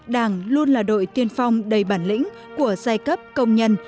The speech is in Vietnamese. đảng luôn là đội tiên phong đầy bản lĩnh của giai cấp công nhân